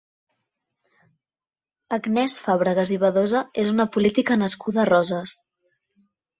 Agnès Fàbregas i Badosa és una política nascuda a Roses.